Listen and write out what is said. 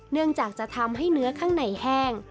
เนื่องจากจะทำให้เนื้อข้างในแห้ง